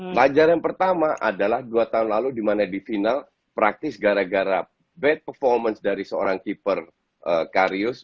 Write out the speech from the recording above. pelajaran pertama adalah dua tahun lalu di mana di final praktis gara gara bad performance dari seorang keeper karius